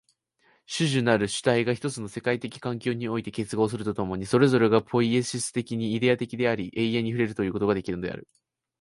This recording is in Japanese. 種々なる主体が一つの世界的環境において結合すると共に、それぞれがポイエシス的にイデヤ的であり、永遠に触れるということができるのである。